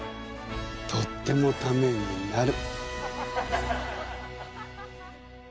とってもタメになる。